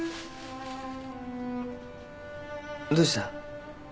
どうした？